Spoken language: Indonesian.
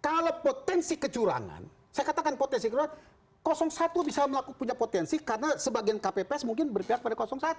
kalau potensi kecurangan saya katakan potensi kecurangan satu bisa punya potensi karena sebagian kpps mungkin berpihak pada satu